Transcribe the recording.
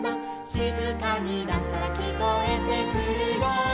「しずかになったらきこえてくるよ」